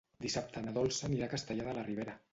Dissabte na Dolça anirà a Castellar de la Ribera.